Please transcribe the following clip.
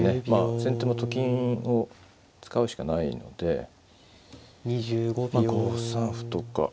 先手もと金を使うしかないのでまあ５三歩とか。